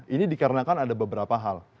ini dikarenakan ada beberapa hal